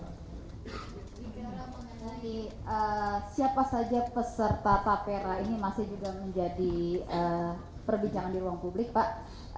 bicara mengenai siapa saja peserta tapera ini masih juga menjadi perbincangan di ruang publik pak